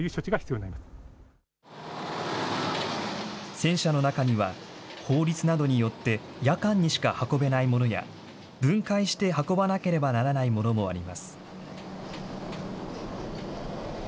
戦車の中には、法律などによって夜間にしか運べないものや、分解して運ばなければならないものもあります。